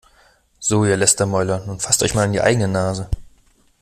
So, ihr Lästermäuler, nun fasst euch mal an die eigene Nase!